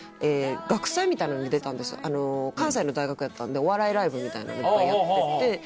関西の大学やったんでお笑いライブみたいなのいっぱいやってて。